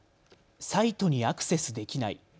サイトにアクセスできない。